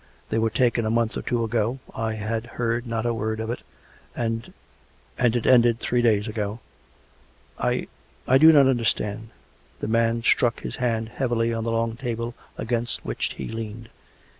They were taken a month or two ago. ... I had heard not a word of it, and ... and it ended three days ago." " I ... I do not understand." The man struck his hand heavily on the long table against which he leaned.